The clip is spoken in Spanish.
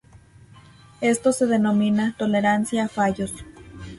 Esto se denomina "tolerancia a fallos".